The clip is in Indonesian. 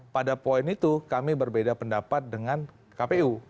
pada poin itu kami berbeda pendapat dengan kpu